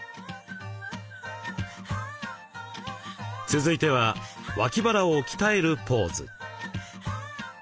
続いては脇腹を鍛えるポーズ。